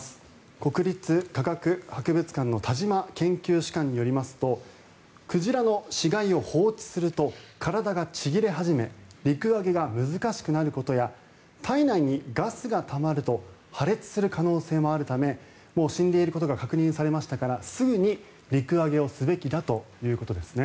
国立科学博物館の田島研究主幹によりますと鯨の死骸を放置すると体がちぎれ始め陸揚げが難しくなることや体内にガスがたまると破裂する可能性もあるためもう死んでいることが確認されましたからすぐに陸揚げするべきだということです。